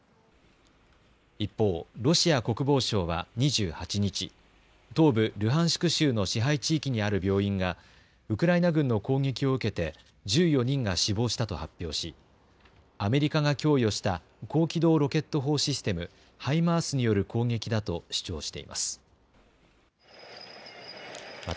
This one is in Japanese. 一方、ロシア国防省は２８日、東部ルハンシク州の支配地域にある病院がウクライナ軍の攻撃を受けて１４人が死亡したと発表し、アメリカが供与した高機動ロケット砲システム・ハイマースによる攻撃だと主張しています。